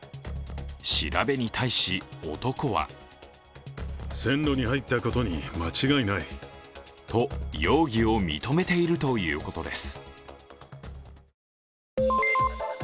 調べに対し、男はと容疑を認めているということです。